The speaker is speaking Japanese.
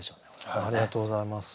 ありがとうございます。